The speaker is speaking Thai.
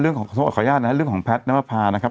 เรื่องของขอขออนุญาตนะฮะเรื่องของแพทน์น้ำวภานะครับ